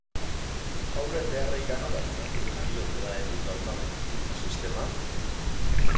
Haurren beharrei ganoraz erantzuten ari ote da egun daukagun hezkuntza sistema?